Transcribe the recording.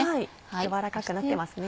軟らかくなってますね。